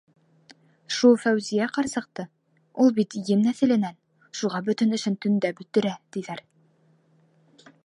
Шул Фәүзиә ҡарсыҡты: «Ул бит ен нәҫеленән, шуға бөтә эшен төндә бөтөрә», - тиҙәр.